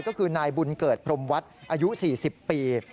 ก็คือนายบุญเกิดพรมวัฒน์อายุ๔๐ปี